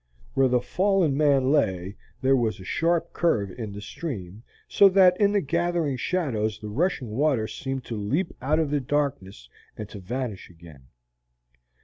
Where the fallen man lay there was a sharp curve in the stream, so that in the gathering shadows the rushing water seemed to leap out of the darkness and to vanish again.